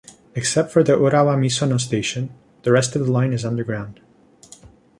Except for the Urawa-Misono Station, the rest of the line is underground.